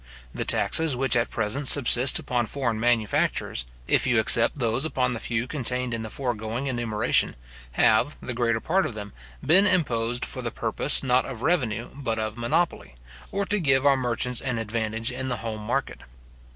The taxes which at present subsist upon foreign manufactures, if you except those upon the few contained in the foregoing enumeration, have, the greater part of them, been imposed for the purpose, not of revenue, but of monopoly, or to give our own merchants an advantage in the home market.